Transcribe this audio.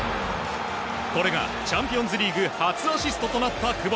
これがチャンピオンズリーグ初アシストとなった久保。